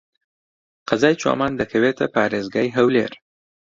قەزای چۆمان دەکەوێتە پارێزگای هەولێر.